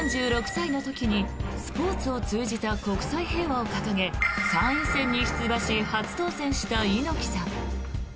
４６歳の時にスポーツを通じた国際平和を掲げ参院選に出馬し初当選した猪木さん。